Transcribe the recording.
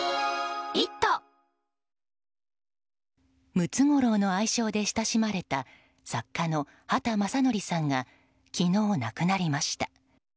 ムツゴロウの愛称で親しまれた作家の畑正憲さんが昨日、亡くなりました。